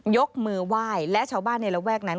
ยกมือไหว้และชาวบ้านในระแวกนั้น